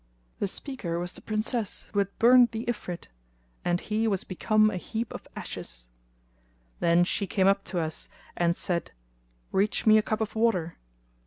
The speaker was the Princess who had burnt the Ifrit, and he was become a heap of ashes. Then she came up to us and said, "Reach me a cup of water."